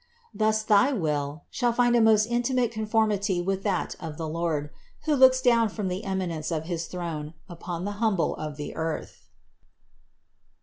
Thus thy will shall find a most intimate conformity with that of the Lord, who looks down from the eminence of his throne upon the humble of the earth.